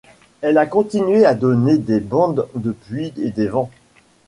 Elle a continué à donner des bandes de pluie et des vents.